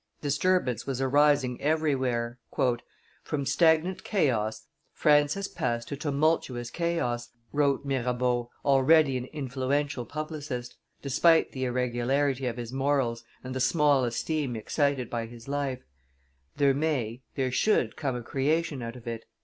Disturbance was arising everywhere. "From stagnant chaos France has passed to tumultuous chaos," wrote Mirabeau, already an influential publicist, despite the irregularity of his morals and the small esteem excited by his life; "there may, there should come a creation out of it."